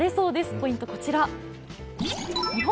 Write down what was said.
ポイントはこちら。